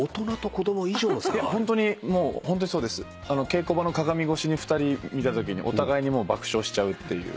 稽古場の鏡越しに２人見たときにお互いに爆笑しちゃうっていう。